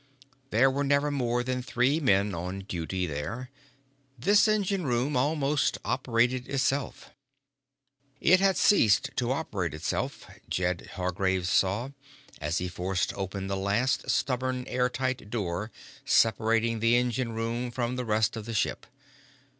There were never more than three men on duty here. This engine room almost operated itself. It had ceased to operate itself, Jed Hargraves saw, as he forced open the last stubborn air tight door separating the engine room from the rest of the ship.